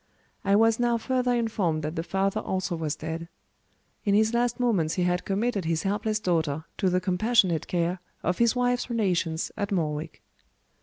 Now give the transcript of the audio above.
I was now further informed that the father also was dead. In his last moments he had committed his helpless daughter to the compassionate care of his wife's relations at Morwick.